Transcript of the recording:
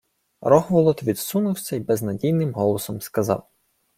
Рогволод відсунувся й безнадійним голосом сказав: